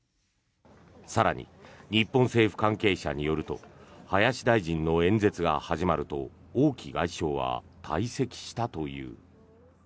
更に、日本政府関係者によると林大臣の演説が始まると王毅外相は退席したという。